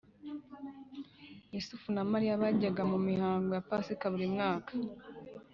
Yosefu na Mariya bajyaga mu mihango ya Pasika buri mwaka